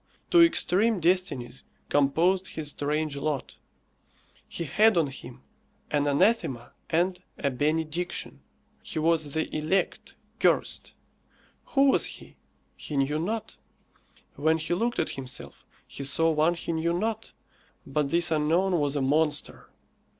Two extreme destinies composed his strange lot. He had on him an anathema and a benediction. He was the elect, cursed. Who was he? He knew not. When he looked at himself, he saw one he knew not; but this unknown was a monster.